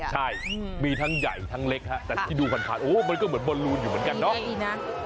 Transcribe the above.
ใช่มีทั้งใหญ่ทั้งเล็กฮะแต่ที่ดูผ่านโอ้มันก็เหมือนบอลลูนอยู่เหมือนกันเนาะ